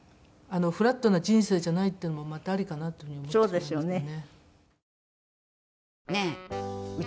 フラットな人生じゃないっていうのもまたありかなっていう風に思ってしまいますね。